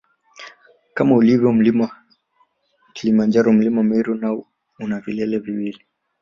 Kama ulivyo mlima Kilimanjaro mlima Meru nao una vilele viwili